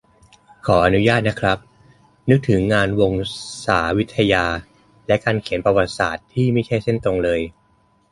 ขออนุญาตนะครับ นึกถึงงานวงศาวิทยา และการเขียนประวัติศาสตร์ที่ไม่ใช่เส้นตรงเลย